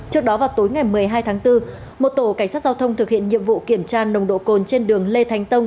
trước đó vào tối ngày một mươi hai tháng bốn một tổ cảnh sát giao thông thực hiện nhiệm vụ kiểm tra nồng độ cồn trên đường lê thánh tông